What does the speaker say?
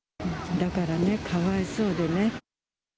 だからね、かわいそうでね。